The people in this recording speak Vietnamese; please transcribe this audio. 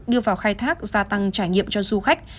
đưa vào khai thác gia tăng trải nghiệm cho du khách